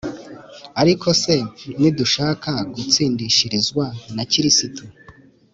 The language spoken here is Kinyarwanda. Ariko se nidushaka gutsindishirizwa na Kristo